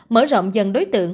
mở rộng dân đối tượng